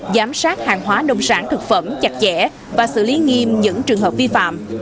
giám sát hàng hóa nông sản thực phẩm chặt chẽ và xử lý nghiêm những trường hợp vi phạm